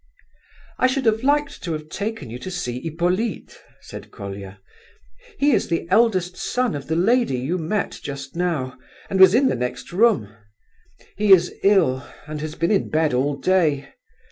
"I should have liked to have taken you to see Hippolyte," said Colia. "He is the eldest son of the lady you met just now, and was in the next room. He is ill, and has been in bed all day.